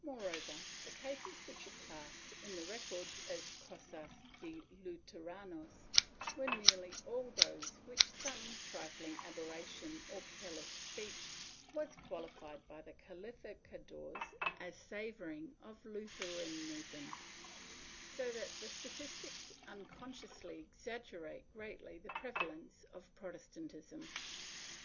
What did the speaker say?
Moreover, the cases which are classed in the records as cosas de Luteranos are nearly all those in which some trifling aberration or careless speech was qualified by the calificadores as savoring of Luther anism, so that the statistics unconsciously exaggerate greatly the prevalence of Protestantism.